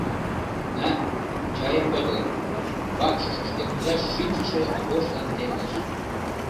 — На, чайым подыл, — вакшышыште кудаш шинчыше Акошлан темлыш.